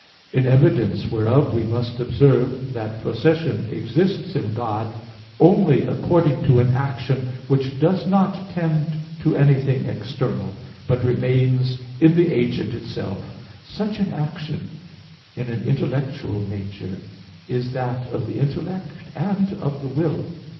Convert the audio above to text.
In evidence whereof we must observe that procession exists in God, only according to an action which does not tend to anything external, but remains in the agent itself. Such an action in an intellectual nature is that of the intellect, and of the will.